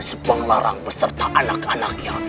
subang larang beserta anak anaknya